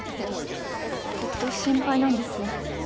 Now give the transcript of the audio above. ずっと心配なんです。